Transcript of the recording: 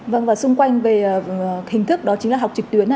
vâng và xung quanh về hình thức đó chính là học trực tuyến